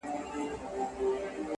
د هجرت غوټه تړمه روانېږم”